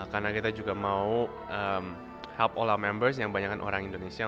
karena kita juga mau help all our members yang banyak orang indonesia